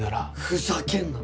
ふざけんな。